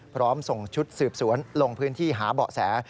พร้อมส่งชุดสืบสวนลงพื้นที่หาเบาะแส